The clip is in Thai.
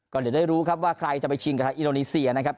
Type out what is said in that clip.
ก็เดี๋ยวได้รู้ครับว่าใครจะไปชิงกับทางอินโดนีเซียนะครับ